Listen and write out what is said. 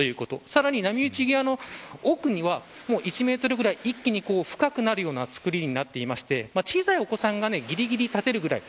さらに波打ち際の奥には１メートルぐらい一気に深くなるようなつくりになっていまして小さいお子さんがぎりぎり立てるくらい。